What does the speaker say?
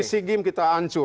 bc game kita hancur